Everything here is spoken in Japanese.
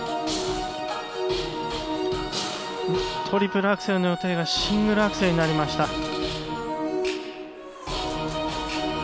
トリプルアクセルの予定がシングルアクセルになりました。